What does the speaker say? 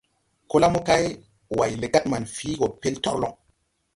Ko la mokay, Way legad manfii gɔ pɛl torloŋ.